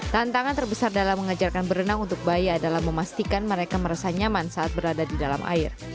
tantangan terbesar dalam mengajarkan berenang untuk bayi adalah memastikan mereka merasa nyaman saat berada di dalam air